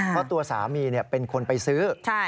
เพราะตัวสามีเป็นคนไปซื้อ